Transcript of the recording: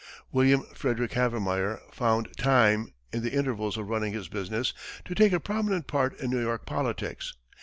William Frederick Havemeyer found time, in the intervals of running his business, to take a prominent part in New York politics.